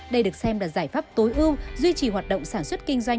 đây được xem là giải pháp tối ưu duy trì hoạt động sản xuất kinh doanh